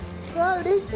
うれしい。